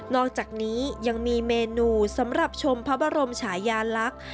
อกจากนี้ยังมีเมนูสำหรับชมพระบรมชายาลักษณ์